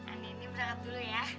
anda ini berangkat dulu ya